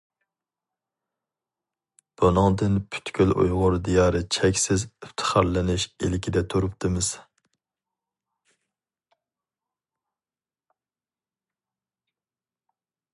بۇنىڭدىن پۈتكۈل ئۇيغۇر دىيارى چەكسىز ئىپتىخارلىنىش ئىلكىدە تۇرۇپتىمىز.